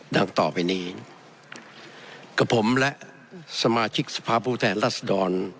ต่อไปนี้กับผมและสมาชิกสภาพผู้แทนรัศดร